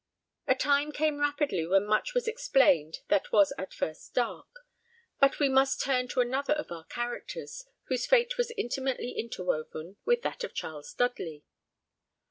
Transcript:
A time came rapidly when much was explained that was at first dark; but we must turn to another of our characters, whose fate was intimately interwoven with that of Charles Dudley.